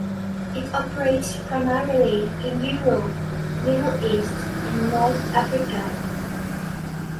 It operates primarily in Europe, Middle East and North Africa.